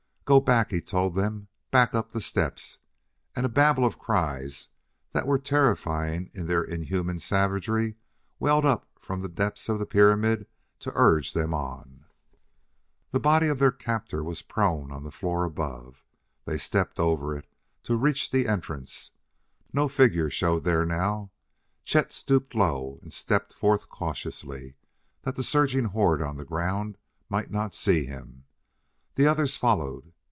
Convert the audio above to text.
"Go back," he told them, " back up the steps!" And a babble of cries that were terrifying in their inhuman savagery welled up from the depths of the pyramid to urge them on. The body of their captor was prone on the floor above: they stepped over it to reach the entrance. No figure showed there now; Chet stooped low and stepped forth cautiously that the surging horde on the ground might not see him. The others followed.